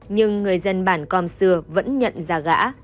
nhưng người dân bản com xưa vẫn nhận ra gã